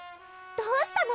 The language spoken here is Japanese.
どうしたの？